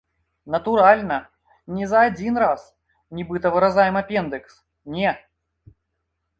Натуральна, не за адзін раз, нібыта выразаем апендыкс, не!